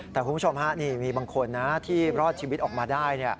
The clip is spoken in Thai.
แต่คุณผู้ชมฮะนี่มีบางคนนะที่รอดชีวิตออกมาได้